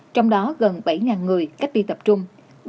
trong đó gần bảy người cách ly tập trung